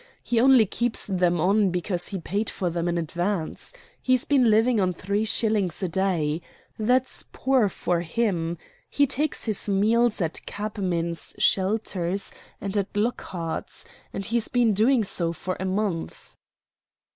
He only keeps them on because he paid for them in advance. He's been living on three shillings a day. That's poor for him. He takes his meals at cabmen's shelters and at Lockhart's, and he's been doing so for a month."